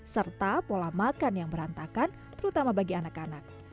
serta pola makan yang berantakan terutama bagi anak anak